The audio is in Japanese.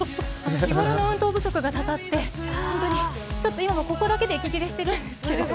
日頃の運動不足がたたって今もちょっと、ここだけで息切れしているんですけど。